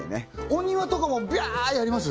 お庭とかもビャーやります？